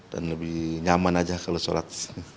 dan lebih nyaman aja kalau sholat